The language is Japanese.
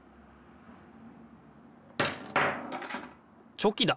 チョキだ。